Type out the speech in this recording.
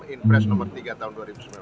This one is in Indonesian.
inpres nomor tiga tahun dua ribu sembilan belas